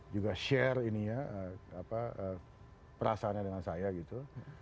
juga share perasaannya dengan saya gitu